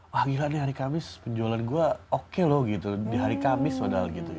panggilan di hari kamis penjualan gue oke loh gitu di hari kamis padahal gitu